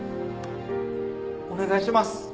お願いします。